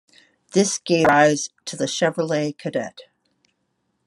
This gave rise to the Chevrolet Cadet.